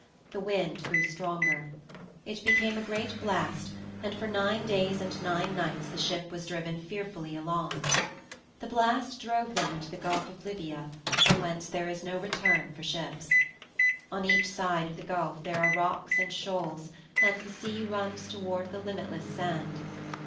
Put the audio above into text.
The wind grew stronger. It became a great blast, and for nine days and nine nights the ship was driven fearfully along. The blast drove them into the Gulf of Libya, from whence there is no return for ships. On each side of the gulf there are rocks and shoals, and the sea runs toward the limitless sand.